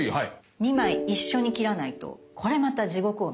２枚一緒に切らないとこれまた地獄を見ます。